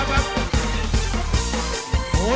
เร็ว